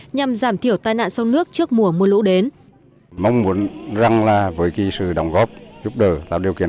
nhằm giảm thiểu tai nạn sông nước trước mùa mưa lũ đến